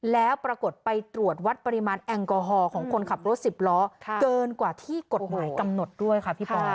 แล้วปรากฏไปตรวจวัดปริมาณแอลกอฮอล์ของคนขับรถสิบล้อเกินกว่าที่กฎหมายกำหนดด้วยค่ะพี่ปอ